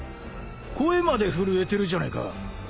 声まで震えてるじゃねえか。